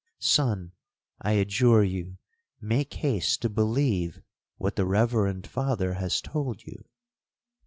Son, I adjure you, make haste to believe what the reverend Father has told you.'